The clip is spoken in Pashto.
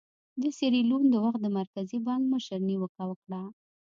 د سیریلیون د وخت د مرکزي بانک مشر نیوکه وکړه.